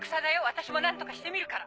私も何とかしてみるから。